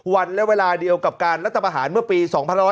วันและเวลาเดียวกับการรัฐประหารเมื่อปี๒๕๖๐